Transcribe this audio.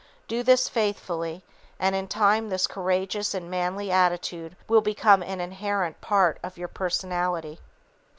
Do this faithfully, and in time this courageous and manly attitude will become an inherent part of your personality.